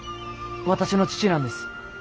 私の父なんです。